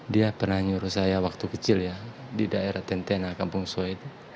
dia pernah nyuruh saya waktu kecil ya di daerah tentena kampung soe itu